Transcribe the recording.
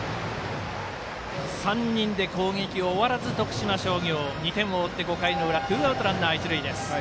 ３人で攻撃終わらず徳島商業、２点を追って５回の裏ツーアウト、ランナー、一塁です。